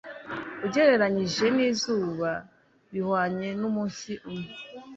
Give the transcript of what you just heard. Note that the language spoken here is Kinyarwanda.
ugereranije nizuba bihwanye numunsi umwe